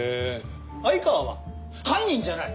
相川は犯人じゃない。